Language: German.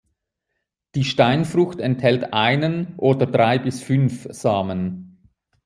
Die Steinfrucht enthält einen oder drei bis fünf Samen.